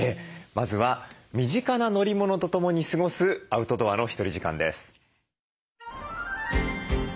まずは身近な乗り物とともに過ごすアウトドアのひとり時間です。